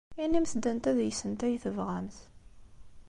Inimt-d anta deg-sent ay tebɣamt.